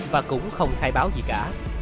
và cũng không khai báo gì cả